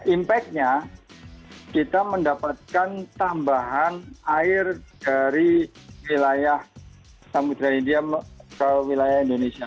impactnya kita mendapatkan tambahan air dari wilayah samudera india ke wilayah indonesia